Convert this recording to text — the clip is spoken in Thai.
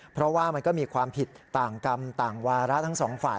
เพราะว่ามันก็มีความผิดต่างกรรมต่างวาระทั้งสองฝ่าย